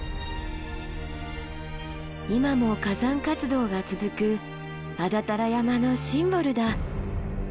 今も火山活動が続く安達太良山のシンボルだ。